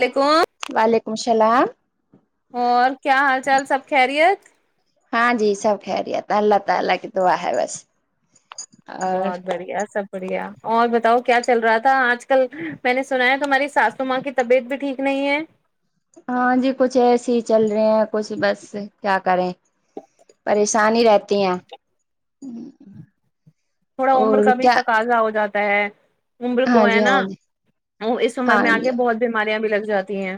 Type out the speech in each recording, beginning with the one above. وعلیکم وعلیکم الام چلا چل سب کہریی ہےت [inaudible] بہت بڑھیا سب بڑھیا اور بتاؤ کیا چل رہا تھا آج کل میں نے سنا ہے تمہاری ساسو ماں کی طبیعت بھی ٹھیک نہیں ہے ہاں جی کچھ ایسے ہی چل رہے ہیں کچھ بس کیا کریں پریشانی ہی رہتی ہیں تھوڑا عمر اور کبھی کیا تک تازہ ہو جاتا [inaudible] عمر ہاں کو ہے جی نا ہاں جی اس عمر ہاں میں آ جی کے بہت بیماریاں بھی لگ جاتی ہیں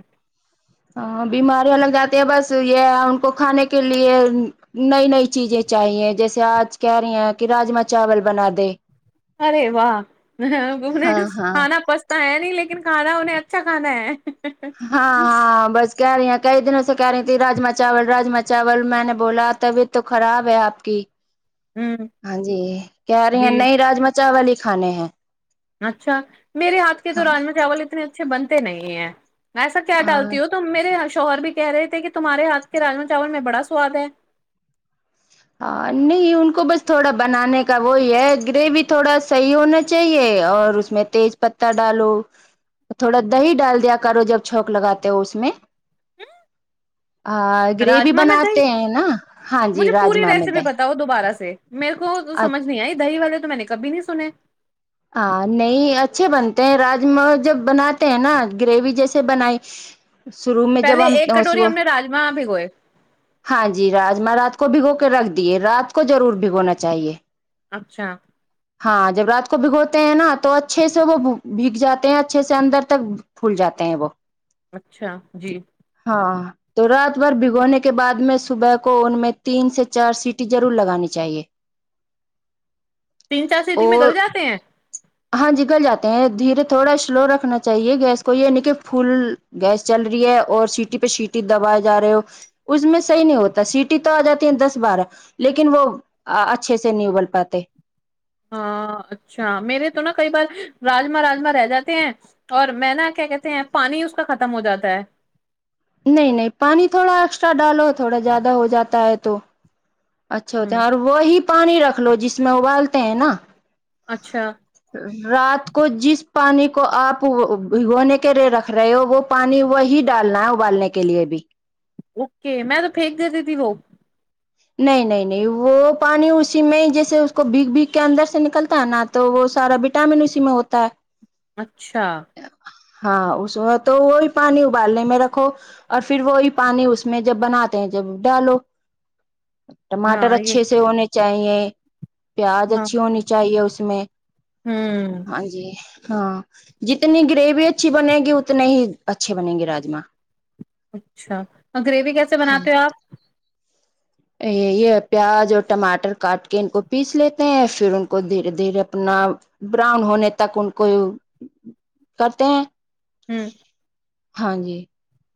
ہاں بیماریاں لگ جاتی ہیں بس یہ ان کو کھانے کے لیے نئی نئی چیزیں چاہیے جیسے آج کہہ رہی ہیں کہ راجما چاول بنا دے ارے واہ گنے ہاں ہاں کھانا پچتا ہے نہیں لیکن کھانا انہیں اچھا کھانا ہے ہاں ہاں بس کہہ رہی ہیں کئی دنوں سے کہہ رہی تھی راما چاول راما چاول میں نے بولا طبیعت تو خراب ہے آپ کی ہ ہاں جی کہہ رہی ہیں جی نہیں راجم چاول ہی کھانے ہیں اچھا میرے ہاتھ تو ہاں جی راما چاول اتنے اچھے بنتے تو نہیں ہے میںسا کیا ہاں ڈالتی ہوں تم میرے شوہر بھی کہہ رہے تھے کہ تمہارے ہاتھ کے راجما چاول میں بڑا سواد ہے ہاں نہیں ان کو بس تھوڑا بنانے کا وہی ہے گریوی تھوڑا صحیح ہونا چاہیے اور اس میں تیز پتہ ڈالو تھوڑا دہی ڈال دیا کرو جب چونک لگاتے ہو اس میں ا گریوی راجما میں دہی بناتے ہیں نا ہاں جی مجھے رج پوری ریسیپی بتاؤ دوبارہ سے سے میرے کو سمج نہیں آئی دہی والے تو میں نے کبھی نہیں سنے ہاں نہیں اچھے بنتے ہیں راجما جب بناتے ہیں نا گریوی جیسے بنائی شروع میں پہلے جب ہم ایک کٹوری ہم نے راجما بھگوئے ہاں جی راجما رات کو بھگو کے رکھ دیے رات کو ضرور بھگونا چاہیے اچھا ہاں جب رات کو بھگوتے ہیں نا تو اچھے سے وہ بھیگ جاتے ہیں اچھے سے اندر تک پھول جاتے ہیں وہ اچھا جی ہاں تو رات بھر بھگونے کے بعد میں صبح کو ان میں تین سے چار سیٹییں ضرور لگانی چاہیے تین چار سیٹی میں اور گل جاتے ہیں ہاں جگل جاتے ہیں دھیرے تھوڑا سلو رکھنا چاہیے گیس کو یہ ن کہ فل گیس چل رہی ہے اور سیٹی پہ سیٹی دبائے جا رہے ہو اس میں صحیح نہیں ہوتا سیٹی تو آ جاتی ہے دس بارہ لیکن وہ اچھے سے نہیں ابل پاتے ہاں اچھا میرے تو نا کئی بار راجما راجما رہ جاتے ہیں اور میں نا کیا کہتے ہیں پانی اس کا ختم ہو جاتا ہے نہیں نہیں پانی تھوڑا ایکسٹرا ڈالو تھوڑا زیادہ ہو جاتا ہے تو اچھے ہ ہوتے ہیں اور وہی پانی رکھ لو جس میں ابالتے ہیں نا اچھا رات کو جس پانی کو کو آپ بگونے کے رے رکھ رہے ہو وہ پانی وہی ڈالنا ہے ابالنے کے لیے بھی اوکے میں تو پھینک دیتی تھی وہ نہیں نہیں نہیں وہ پانی اسی میں جیسے اس کو بھیگ بھیگ کے اندر سے نکلتا ہے نا تو وہ سارا وٹامن اسی میں ہوتا ہے اچھا ہاں اس میں تو وہی پانی ابالنے میں رکھو اور پھر وہی پانی اس میں جب بناتے ہیں جب ڈالو ٹماٹر ہاں یہ اچھے سے ہونے چاہیے پیاز ہاں اچھی ہونی چاہیے اس ہوں [inaudible] ہاں جی ہاں جتنی گریوی اچھی بنے گی اتنے ہی اچھے بنے گے راجما اچھا اور گریوی کیسے ہاں بناتے ہو آپ یہ پیاز اور ٹماٹر کاٹ کے ان کو پیس لیتے ہیں پھر ان کو دھیرے دھیرے اپنا براؤن ہونے تک ان کو کرتے ہیں ہوں [inaudible] ہاں جی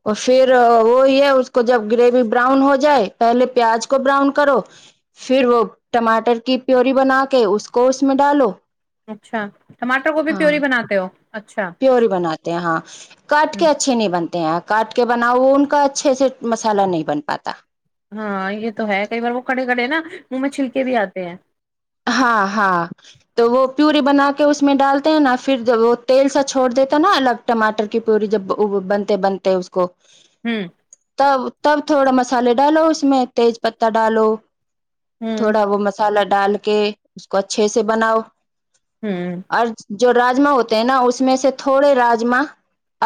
اور پھر وہی ہے اس کو جب گریوی براؤن ہو جائے پہلے پیاز کو براؤن کرو پھر وہ ٹماٹر کی پیی بنا کے اس کو اس میں ڈالو اچھا ٹماٹر گو بھیھی پیور بناتے ہو اچھا پیور بناات تے یہاں کاٹ ہ کے اچھھیے نہیں بنتے کاٹ کے بناؤ ان کا اچھے سے مسالہ نہیں بن پاتا ہاں یہ تو ہے کئی بار وہ کھڑے کھڑے نا منہ میں چھلکے بھی اتے ہیں ہاں ہاں تو وہ پیوری بنا کے اس میں ڈالتے ہیں نا پھر وہ تیل سا چھوڑ دیتا نا الگ ٹماٹر کی پیوری جب بنتے بنتے اس کو ہمم تب تب تھوڑا مسالے ڈالو اس میں تیز پتہ ڈالو ہوں تھوڑا وہ مسالہ [inaudible] کہ اس کو اچھے سے بناؤ ہمم اور جو راجما ہوتے ہیں نا اس میں سے تھوڑے راجما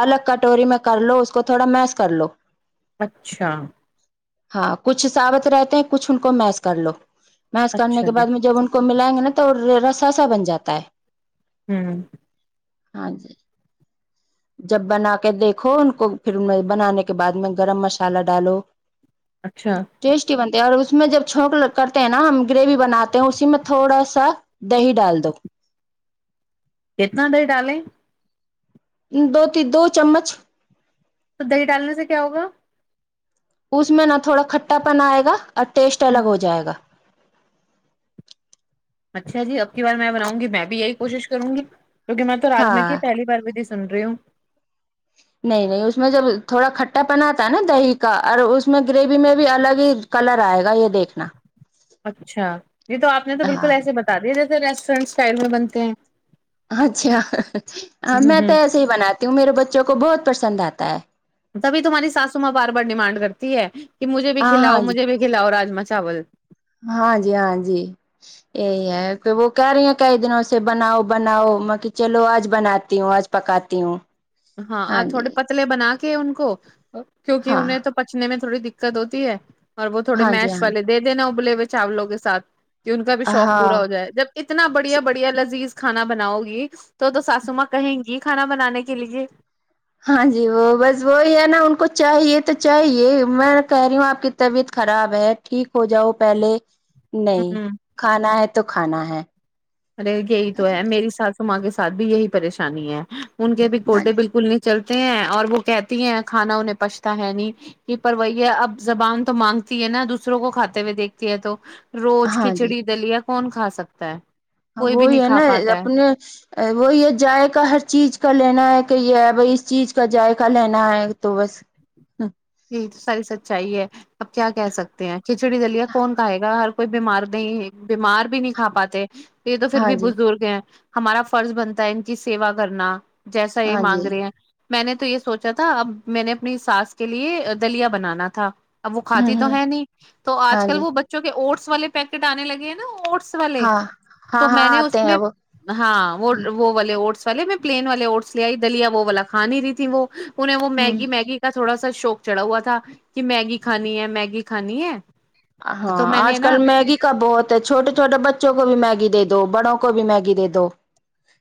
الگ کٹوری میں کر لو اس کو تھوڑا میس کر لو اچھا ہاں کچھ سابت رہتے ہیں کچھ ان کو میس کر لو محس کرنے اچھا کے جی بع مجھ ان کو ملائیں گے نا تو رسا سا بن جاتا ہے ہوں ہاں جی جب بنا کے دیکھو ان کو پھر ان بنانے کے بعد میں گرم مسالہ ڈالو اچھا جسٹٹی بن اور اس میں جب چونک کرتے ہیں نا ہم گریوی بناتے ہیں اسی میں تھوڑا سا دہی ڈال دو کتنا دیر ڈالیں دو ت دو چمچ تو دہی ڈالنے سے کیا ہوگا اس میں نا تھوڑا کھٹا پن آئے گا اور ٹیسٹ ہوں الگ ہو جائے گا اچھا جی اب کی بار میں بناؤں گی میں بھی یہی کوشش کروں گی کیکہ میںے تواج میں کی ہاں پہلی بار بھی ج [unintelligible] سنریوں [unintelligible] نہیں نہیں اس میں جب تھوڑا کھٹا پناتا ہے نا دہی کا اور اس میں گریوی میں بھی الگ ہی کلر آئے گا یہ دیکھنا اچھا جی تو آپ نے تو ہاں بالکل ایسے بتا دییا جیسے ریسٹورینٹ اسٹائل میں بنتے ہیں [unintelligible] اچھا ہ میں تو ایسے ہی بناتی ہوں میرے بچوں کو بہت پسند آتا ہے تبھی تمہاری ساسو ماں بار بار ڈیمانڈ کرتی ہے کہ مجھے بھی ہاں کھلاؤ ہاں جی مجھے بھی کھلاؤ راما چاول ہاں جی ہاں جی یہی ہے کہ وہ کہہ رہی ہیں کئی دنوں سے بناؤ بناؤ میں چلو آج بناتی ہوں آج پکاتی ہوں ہاں آ تھوڑے پتلے بنا کے ان کو کیونکہ ہاں انہیں تو پچنے میں تھوڑید دقت ہوتی ہے اور وہ تھوڑے ہاں جی میش ہاں والے دینا بلے ہوئے چاولوں کے ساتھ کہ ان کا بھی شوق پورا ہاں ہو جائے جب اتنا بڑھیا بڑھیا لذیذ کھانا بناؤ گی تو تو ساسوماں کہینگی کھانا بنانے کے لیے ہاں جی وہ بس وہ ہی ہے نا ان کو چاہیے تو چاہیے میں کہہ رہی ہوں آپ کی طبیعت خراب ہے ٹھیک ہو جاؤ پہلے نہیں ہ کھانا ہے تو کھانا ہے ارے یہی تو ہے میری سات تماں کے ساتھ بھی یہی پریشانی ہے ان گ کہ بھی ہاں کوڈے جی بالکل نہیں چلتے ہیں اور وہ کہتی ہیں کھانا انہیں پچھتا ہے نہیں کہ پرویا اب زبان تو مانگتی ہے نا دوسروں کو کھاتے ہوئے دیکھتی ہے تو روز ہاں جی کھچڑی دلییا [unintelligible] کون کھا سکتا ہے وہی ہے کھا نا پاتا ہے اپنے وہی ہے جائق ہر چیز کا لینا ہے کہ یہ بھائی اس چیز کا جذائقہ لینا ہے تو بس ہ جی تو ساری سچائی ہے اپ کیا کہہ سکتے ہیں کھچڑی دلیا کون کہے گا ہر کوئی بیمار نہیں بیمار بھی نہیں کا پاتے یہ تو پھر ہاں بھی جی بزرگ ہیں ہمارا فرض بنتا ہے ان کی سیوا کرنا جیسا یہ ہاں مانگ جی رہے ہیں میں نے تو یہ سوچا تھا اب میں نے اپنی سس کے لیے دلیا بنانا تھا اب وہ ہوں کھاتی تو ہوں ہے نہیں تو آج ہاں کل جی وہ بچوں کے اٹ والے پیکٹ آنے لگے نا اور والے ہاں ہاں تو ہاں میں نے آتے اس ہیں میں وہ ہاں وہ وہ والے اٹس پلے میں پلین والے اوٹس لےئی دلیا وہ والا کھا نہیں رہی تھی وہ انہیں وہ ہوں میگی میگی کا تھوڑا سا شوق چڑھا ہوا تھا کہ میگی کھانی ہے میگی کھانی ہے ہاں تو میں آج نے کل نا میگی کا بہت ہے چھوٹے چھوٹے بچوں کو کو بھی میگی دے دو بڑوں کو بھی میگی دے دو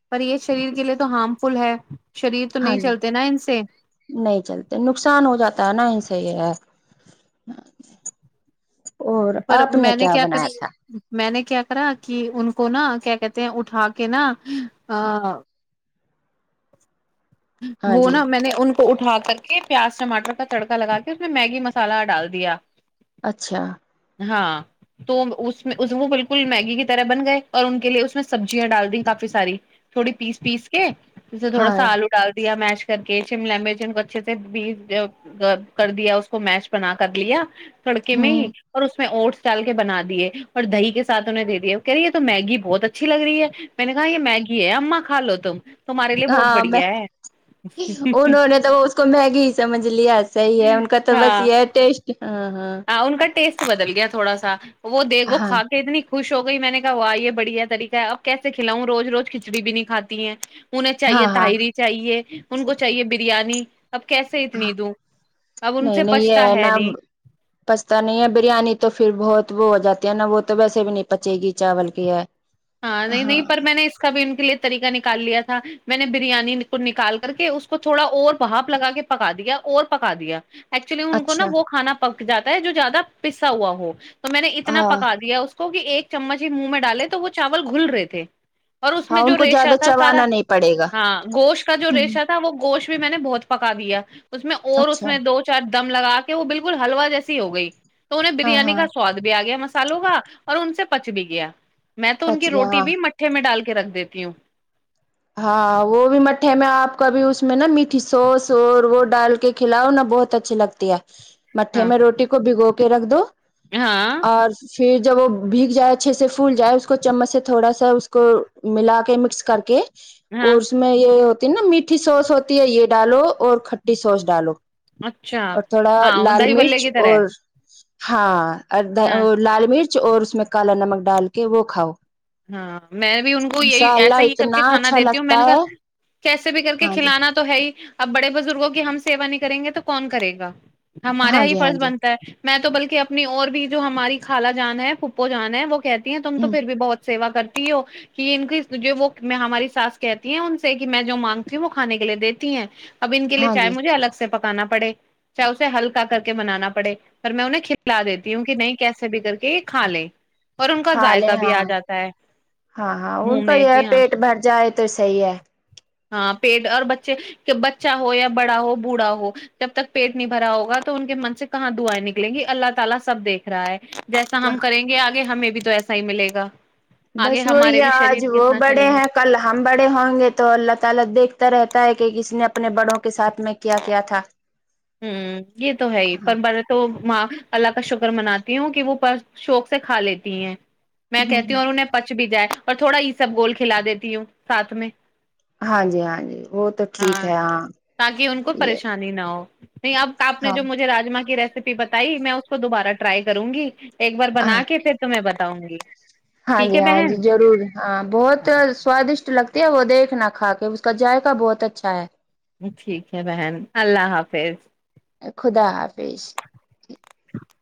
پر یہ شریر کے لے تو ہارمفل ہے شریر تو ہاں نہیں جی چلتے نا ان سے نہیں چلتے نقصان ہو جاتا ہے نا انس صی ہے [unintelligible] اور پر آپ نے میں کیا کر بنایا تھا میں نے کیا کرا کہ ان کو نا کیا کہتے ہیں اٹھا کے نا ا ہاں وہ جی نا میں نے ان کو تو اٹھا کر کے پیاز ٹماٹر کا تڑکا لگا کے اس میں میگی مسالہ ڈال دیا اچھا ہاں تو اس وہ بالکل میگی کی طرح بن گئے اور ان کے لیے اس میں سبزیاں ڈال دییں کافی ساری تھوڑی پیس پیس کے جس تھوڑا ہاں آلو دیا میش کر کے شم لم جن کو اچھے سے بی کر دیا اس کو میش بنا کر لیا سڑکے میں ہی ہوں اور اس میں اوٹس ڈال کے بنا دیے اور دہی کے ساتھ انہیں دے دیے کہہ رہی یہ تو میگی بہت اچھی لگ رہی ہے میں نے کہا یہ میگی ہے اما کھا لو تم تمہارے لیے بہت ہاں میں بڑھیا ہے انہوں نے تو اس کو میگی ہی سمجھ لیا صحیح ہے ان کا تو بس یہ ہے ٹیسٹ ہاں ہاں ہ انن کا ٹیسٹ بدل گیا تھوڑا سا وہ دیکھو ہاں کا کے اتنی خوش شو گ ہی میں نے کہا وہا یہ بڑھیا طریقہ ہے اب کیسے کھلاؤں روز روز کھچڑی بھی نہیں کاتی ہیں انہیں چاہیے ہاں ہاں تاہری چاہیے ان کو چاہیے بریانی اب کیسے ہاں اتنی دوں اب ان نہیں سے نہیں پچھتا یہ ہے نا نہیں پچتا نہیں ہے بریانی تو پھر بہت وہ ہو جاتی ہے نا وہ تو ویسے بھی نہیں پچے گی چاول کی ہے ہاں نہیں نہیں پر میں نے اس کا بھی ان کے لیے طریقہ نکال لیا تھا میں نے بریانی نکال کر کے اس کو تھوڑا اور بھاپ لگا کے پکا دیا اور پکا دیا ایکچولی ان کو نا اچھا وہ کھا پک جاتا ہے جو زیادہ پسا ہوا ہو تو میں نے اتنا ہاں پکا دیا اس کہ ایک چمچ ہی منہ میں ڈالے تو وہ چاول گھل رہے تھے اور اس میں ہاں ان جو کو ریشا زیادہ تھا سارا چوانا نہیں پڑے گا ہاں گوشت کا جو ہوں ریشا تھا وہ گوشت بھی میں نے بہت پکا دیا اس میں اور اس اچھا میں دو چار دم لگا کے وہ بالکل ہلوا جیسی ہو گئی تو انہیں ہاں بریانی ہاں کا سواد بھی آ گیا م سال ہوگا اور ان سے پچ بھی گیا میں تو ان پچ کی گیا روٹی ہاں بھی مٹھے میں ڈال کے کے رکھ دیتی ہوں ہاں وہ بھی مٹھے میں آپ کا بھی اس میں نا میٹھی سوس اور وہ ڈال کے کھلاؤ نا بہت اچھی لگتی ہے مٹھے ہاں میں روٹی کو بھگو کے رکھ دو ہاں اور پھر جب وہ بھیگ جائے اچھے سے پھول جائے اس کو چمچ سے تھوڑا سا اس کو ملا کے مکس کر کے اور ہاں اس میں یہ ہو نا میٹھی سوس ہوتی ہے یہ ڈالو اور کھٹی سوس ڈالو اچھا اور تھوڑا ہاں وہ لال دہی بلے مرچ کی طرح اور ہے۔ ہاں ہاں اور لال مرچ کچھ اور اس میں کالا نمک ڈال کے وہ کھاؤ ہاں میں بھی ان کو یہی انشاء ایسا اللہ ہی کر کے اتنا کھانا اچھا دیتی ہوں میں نے لگتا ہے کہا کیسے بھی کر کے ہاں جی کھلانا تو ہے ہی اب بڑے بزرگوں کی ہم سیا نہیں کریں گے تو کون کرے گا ہمارے یہ ہاں ہی جی ہاں فرض جی بنتا ہے میں تو بلکہ اپنی اور بھی جو ہماری خالا جان ہے پپو جان ہے وہ کہ تم تو ہ پھر بھی بہت سیوا کرتی ہو کہ ان کی جو وہ ہماری ساس کہتی ہیں ان سے کہ میں جو مانگتی ہوں وہ کھانے کے لیے دیتی ہیں اب انن کےے ہاں چائے جی مجھے الگ سےک ا پڑے چاہے اسے ہلکا کر کے بنانا پڑے پر میں انہیں کھلا دیتی ہوں کہ نہیں کیسے بھی کر کے یہ کھا لیں اور ان کا کھا لے ذائقہ بھی ہاں آ جاتا ہے ہاں ہاں ان منہ کا میں یہ کہ ہاں پیٹ بھر جائے تو صحی ہے ہاں پیٹ اور بچے بچہ ہو یا بڑا ہو بوڑھا ہو جب تک پیٹ نہیں بھرا ہوگا تو ان کے من سے کہاں دعائیں نکلیں گی اللہ تعالی سب دیکھ رہا ہے جیسا ہم کریں گے آگ ہمیں بھی تو ایسا ہی ملے گا [inaudible] آگے ہمارے بھی رہتا شریر کتنا چلیں گے ہے کہ کسی نے اپنے بڑوں کے ساتھ میں کیا کیا تھا ہوں یہ تو ہے ہی ہاں پر برے تو ماں اللہ کا شکر مناتی ہوں کہ وہ شوق سے کھا لیتی ہیں میں ہ کہتی ہ ہوں اور انہیں پچ بھی جائے پر تھوڑا یہ سب گول کھلا دیتی ہوں ساتھ میں ہاں جی ہاں جی وہ تو ٹھیک ہے ہاں تاکہ ان کو یہ پریشانی نہ ہو نہیں اب آپ نے ہاں جو مجھےاجا کی ری ی بتائی میں اس کو دوبارہ ٹائی کروں گی ایک بار بنا کے پھر تمہیں ب [inaudible] ہاں جی ہاں جی جضرور ہاں بہت سوادشٹ لگتی ہے وہ دیکھنا کا کے اس کا ذائقہ بہت اچھا ہے ٹھیک ہے بہن اللہ حافظ خدا حافظ اچھا سہی